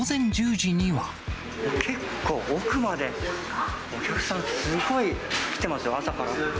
結構、奥までお客さん、すごい来てますよ、朝から。